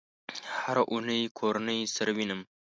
هره اونۍ کورنۍ سره وینم